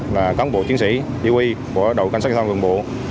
và cán bộ chiến sĩ u i của đội cảnh sát giao thông vườn bộ